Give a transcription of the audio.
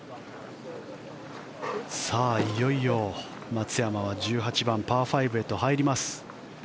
さあ、いよいよ松山は１８番、パー５へと入ります。